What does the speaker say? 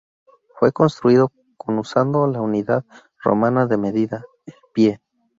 Fue construido con usando la unidad romana de medida: el pie.